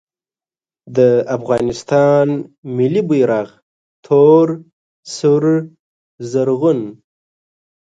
د افغانستان ملي بیرغ تور سور زرغون